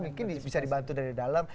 mungkin bisa dibantu dari dalam